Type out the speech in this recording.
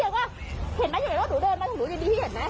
แล้วก็เห็นไหมอยู่ไหนว่าหนูเดินมาหนูดีดีเห็นไหม